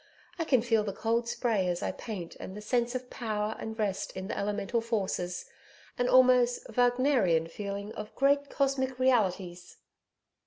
I can feel the cold spray as I paint and the sense of power and rest in the elemental forces an almost Wagnerian feeling of great Cosmic Realities.'